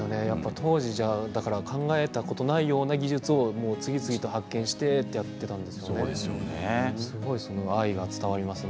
当時では考えたことがないような技術を次々と発見してやっていたということですよね。